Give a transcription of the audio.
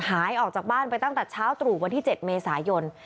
หายออกจากบ้านไปตั้งแต่เช้าตรู่วันที่๗เมษายน